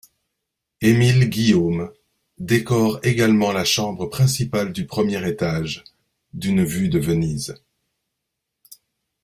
Émile Guillaume décore également la chambre principale du premier étage d'une vue de Venise.